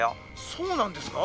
「そうなんですか？」。